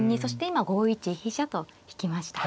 今５一飛車と引きました。